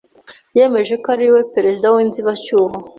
yemeje ko ari we perezida w'inzibacyuho